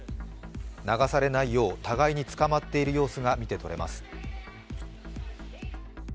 流されないよう互いにつかまっている様子が見て取れます。